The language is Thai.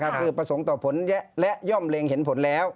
คือประสงค์ต่อผลและย่อมเล็งเห็นผลแล้ว